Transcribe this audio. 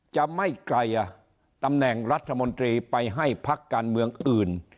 จะไม่ไกลตำแหน่งรัฐมนตรีไปให้พักการเมืองอื่น